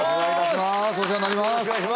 お世話になります。